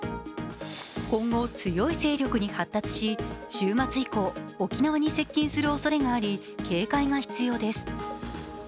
今後、強い勢力に発達し週末以降、沖縄に接近するおそれがあり、警戒が必要です。